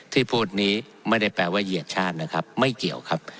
ที่พูดนี้ไม่ได้แปลว่าเหยียดชาตินะครับไม่เกี่ยวครับ